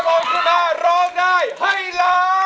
คุณสรบงค์คุณภาพร้อมได้ให้ล้าง